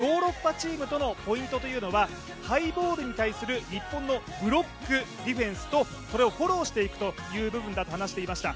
そして、ヨーロッパチームとのポイントというのはハイボールに対する日本のブロックディフェンスとそれをフォローしていく部分だと話していました。